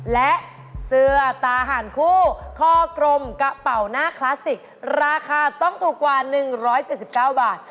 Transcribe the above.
และเสื้อตาห่านคู่ข้อกรมกระเป๋าหน้าคลาสสิกราคาต้องถูกกว่า๑๗๙บาท